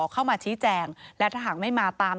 เข้ามาชี้แจงและถ้าหากไม่มาตาม